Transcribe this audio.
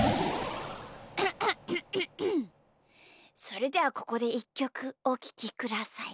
それではここでいっきょくおききください。